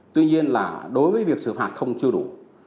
tuy nhiên là đối với việc xử phạt không chưa đủ